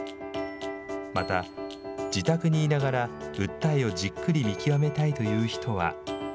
また、自宅にいながら訴えをじっくり見極めたいという人は。